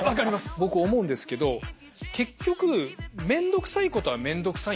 僕思うんですけど結局めんどくさいことはめんどくさいんですよね。